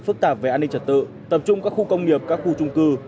phức tạp về an ninh trật tự tập trung các khu công nghiệp các khu trung cư